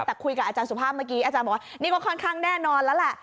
แต่คุยกับอาจารย์สุภาพเมื่อกี้อาจารย์บอกว่านี่ก็ค่อนข้างแน่นอนแล้วแหละ